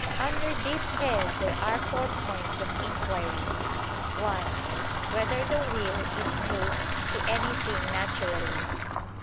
Under this head there are four points of inquiry: (1) Whether the will is moved to anything naturally?